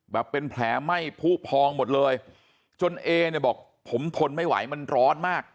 แบบเป็นแผลไหม้ผู้พองหมดเลยจนเอเนี่ยบอกผมทนไม่ไหวมันร้อนมาก